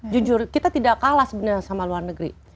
jujur kita tidak kalah sebenarnya sama luar negeri